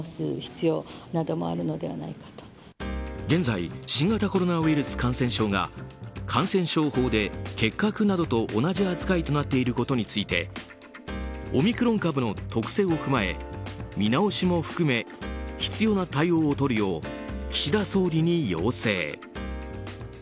現在新型コロナウイルス感染症が感染症法で結核などと同じ扱いになっていることについてオミクロン株の特性を踏まえ見直しも含め必要な対応をとるよう岸田総理に要請。